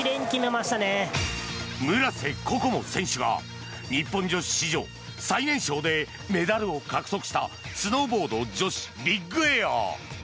村瀬心椛選手が日本女子史上最年少でメダルを獲得したスノーボード女子ビッグエア。